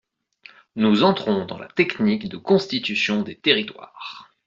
Nous entrons dans la technique de constitution des territoires.